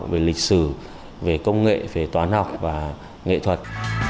về lịch sử về công nghệ về toán học và nghệ thuật